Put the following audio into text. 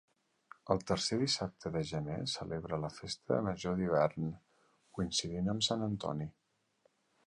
El tercer dissabte de gener celebra la festa major d'hivern, coincidint amb sant Antoni.